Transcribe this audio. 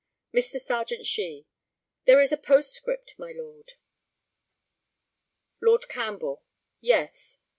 Mr. Serjeant SHEE: There is a postscript, my Lord. Lord CAMPBELL. Yes.